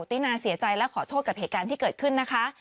ตินาเสียใจและขอโทษกับเหตุการณ์ที่เกิดขึ้นนะคะ